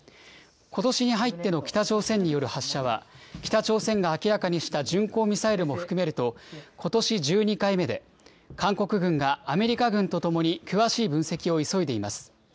ことしに入っての北朝鮮による発射は、北朝鮮が明らかにした巡航ミサイルも含めると、ことし１２回目で、韓国軍がアメリカ軍とともに詳しい分析を急いでいます。